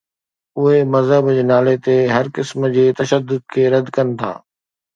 اهي مذهب جي نالي تي هر قسم جي تشدد کي رد ڪن ٿا.